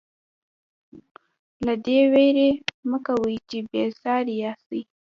له دې وېرې مه کوئ چې بې ساري یاستئ.